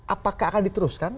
apakah akan diteruskan